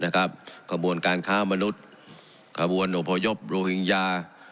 นะครับขบวนการค้ามนุษย์ขบวนอวโบยพโรฮิงญา